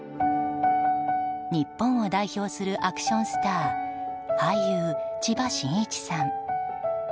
日本を代表するアクションスター俳優、千葉真一さん。